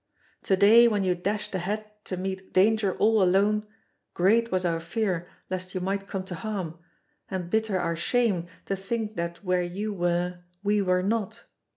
To day when you dashed ahead to meet danger all alone, great was our fear lest you might come to harm, and bitter our shame to think that where you were we were not.